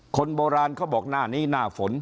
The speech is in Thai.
คนโบราณเขาบอกหน้านี้หน้าฝน